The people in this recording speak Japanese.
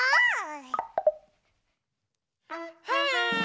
はい！